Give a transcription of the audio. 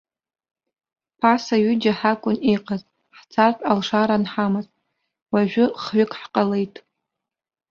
Ԥаса ҩыџьа ҳакәын иҟаз, ҳцартә алшара анҳамаз, уажәы хҩык ҳҟалеит.